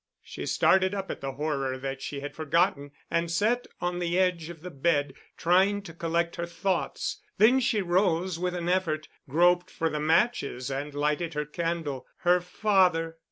She started up at the horror that she had forgotten and sat on the edge of the bed, trying to collect her thoughts; then she rose with an effort, groped for the matches and lighted her candle. Her father?